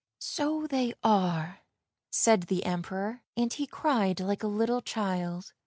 " So they are," said the Emperor, and he cried like a little child.